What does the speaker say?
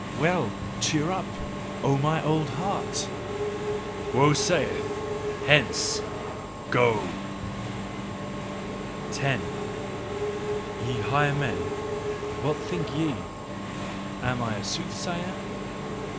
Well! Cheer up! O mine old heart: WOE SAITH: "HENCE! GO!" 10. Ye higher men, what think ye? Am I a soothsayer?